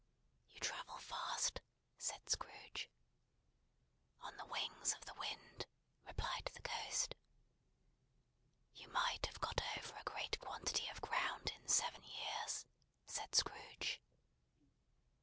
"You travel fast?" said Scrooge. "On the wings of the wind," replied the Ghost. "You might have got over a great quantity of ground in seven years," said Scrooge.